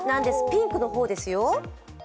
ピンクの方ですよ。